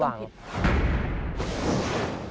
เขาต้องผิด